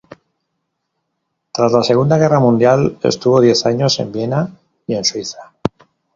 Tras la Segunda Guerra Mundial estuvo diez años en Viena y en Suiza.